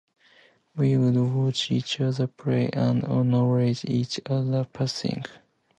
We would watch each other play and acknowledge each other in passing.